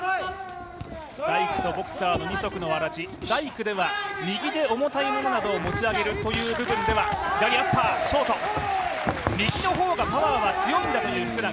大工とボクサーの二足のわらじ、大工では右で重たいものを持ち上げるという部分では、右の方がパワーが強いんだという福永。